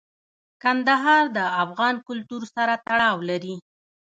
کندهار د افغان کلتور سره تړاو لري.